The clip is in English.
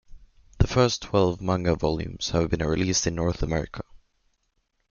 The first twelve manga volumes have been released in North America.